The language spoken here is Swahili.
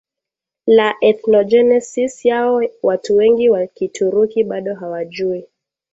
la ethnogenesis yao watu wengi wa Kituruki bado hawajui